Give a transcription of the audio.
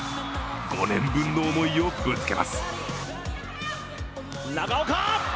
５年分の思いをぶつけます。